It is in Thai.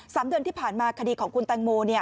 สามเดือนที่ผ่านมาคดีของคุณแตงโม